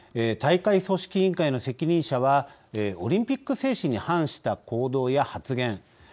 大会組織委員会の責任者はオリンピック精神に反した行動や発言。